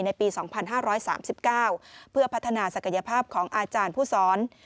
ในปี๒๕๓๙เพื่อพัฒนาศักยภาพของอาจารย์ผู้สอน